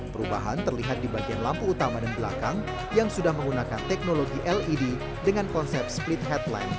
perubahan terlihat di bagian lampu utama dan belakang yang sudah menggunakan teknologi led dengan konsep split headline